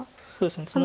そうですね